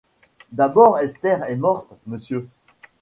D’abord Esther est morte, monsieur.